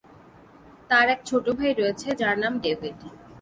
তার এক ছোট ভাই রয়েছে, যার নাম ডেভিড।